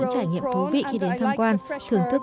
thú vị khi đến tham quan thưởng thức